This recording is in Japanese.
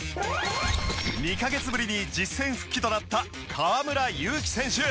２カ月ぶりに実戦復帰となった河村勇輝選手。